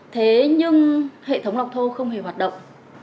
thế nhưng hệ thống lọc thô không hề hoạt động